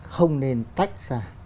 không nên tách ra